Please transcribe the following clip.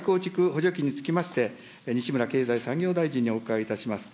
補助金につきまして、西村経済産業大臣にお伺いいたします。